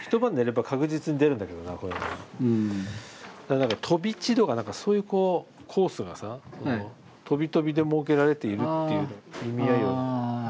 だから「飛び地」とか何かそういうこうコースがさこうとびとびで設けられているっていう意味合いを出せればさ。